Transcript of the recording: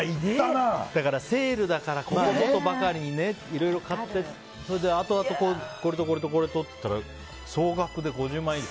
セールだからここぞとばかりにいろいろ買ってあとあとこれとこれとって言ったら総額で５０万円以上。